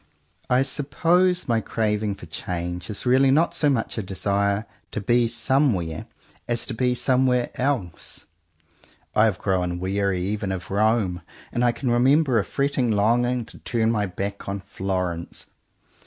I suppose my craving for change is really not so much a desire to be somewhere, as to be somewhere else. I have grown weary even of Rome and I can remember a fretting longing to turn my back on Florence.